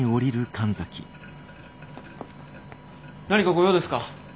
何かご用ですか？